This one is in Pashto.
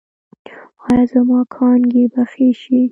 ایا زما کانګې به ښې شي؟